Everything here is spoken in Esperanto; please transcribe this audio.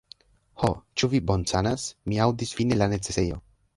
Ho, ĉu vi bonsanas? Mi aŭdis vin en la necesejo!